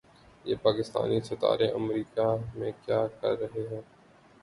یہ پاکستانی ستارے امریکا میں کیا کررہے ہیں